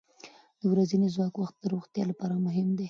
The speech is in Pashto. د ورځني خوراک وخت د روغتیا لپاره مهم دی.